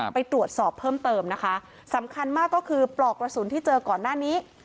ไปตรวจสอบเพิ่มเติมนะคะสำคัญมากก็คือปลอกกระสุนที่เจอก่อนหน้านี้